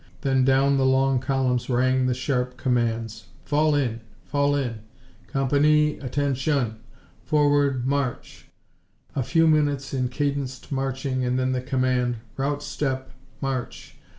Then down the long columns rang the sharp commands, "Fall in. Fall in! ... Com pan ee ... Atten shun! Forward, March!" A few minutes in cadenced marching and then the command, "Rout step March!"